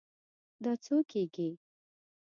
دا څو کیږي؟